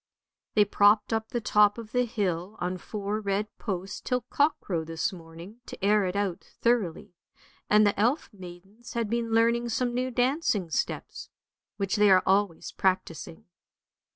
" They propped up the top of the hill on four red posts till cockcrow this morning, to air it out thoroughly; and the elf maidens had been learning some new dancing steps, which they are always practising.